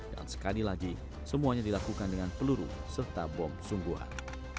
dan sekali lagi semuanya dilakukan dengan peluru serta bom sungguhan